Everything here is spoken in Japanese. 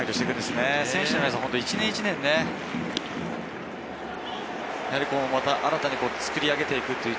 選手の皆さん、１年１年、新たに作り上げていくという。